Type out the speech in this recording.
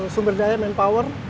sumber daya dan power